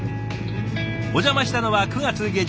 お邪魔したのは９月下旬。